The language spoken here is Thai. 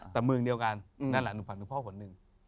แต่เมืองเดียวกันนั่นแหละหนุ่มฝั่งหนึ่งพ่อคนหนึ่ง